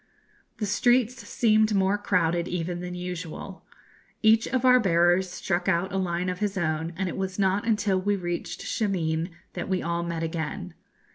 The streets seemed more crowded even than usual. Each of our bearers struck out a line of his own, and it was not until we reached Shameen that we all met again.